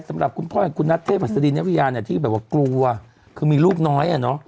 สำหรับคุณพ่ออย่างคุณนัทเทพัสดีนัพยาที่แบบว่ากลัวคือมีลูกน้อยเนอะ